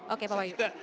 oke pak wahyu